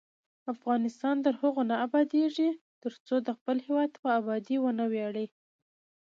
افغانستان تر هغو نه ابادیږي، ترڅو د خپل هیواد په ابادۍ ونه ویاړو.